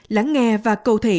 lắng nghe và cầu thị